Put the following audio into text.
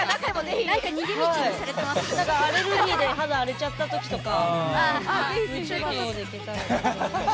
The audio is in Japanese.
アレルギーで肌荒れちゃったときとか。